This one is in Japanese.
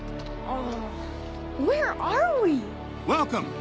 ああ。